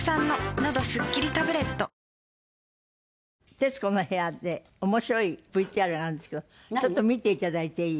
『徹子の部屋』で面白いＶＴＲがあるんですけどちょっと見ていただいていい？